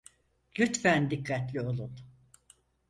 Lütfen dikkatli olun.